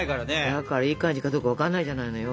だからいい感じかどうか分かんないじゃないのよ。